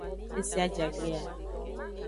Ese ajagbe a.